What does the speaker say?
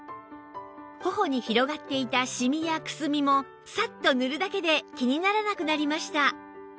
頬に広がっていたシミやくすみもサッと塗るだけで気にならなくなりました